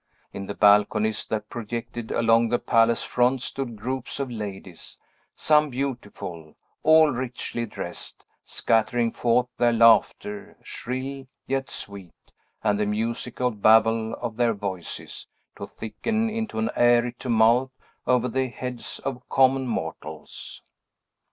In the balconies that projected along the palace fronts stood groups of ladies, some beautiful, all richly dressed, scattering forth their laughter, shrill, yet sweet, and the musical babble of their voices, to thicken into an airy tumult over the heads of common mortals.